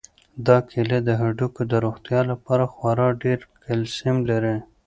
دا کیله د هډوکو د روغتیا لپاره خورا ډېر کلسیم لري.